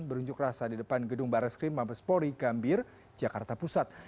berunjuk rasa di depan gedung baris krim mabespori gambir jakarta pusat